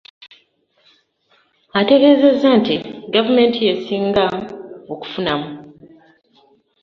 Ategeezezza nti gavumenti y'esinga okunamu